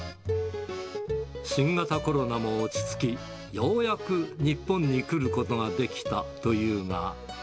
新型コロナも落ち着き、ようやく日本に来ることができたというが。